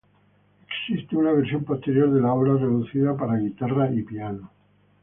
Existe una versión posterior de la obra reducida para guitarra y piano.